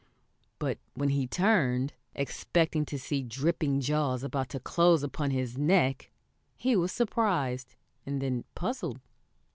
But when he turned, expecting to see dripping jaws about to close upon his neck, he was surprised and then puzzled.